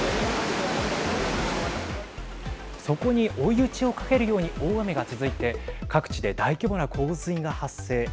そこに追い打ちをかけるように大雨が続いて各地で大規模な洪水が発生。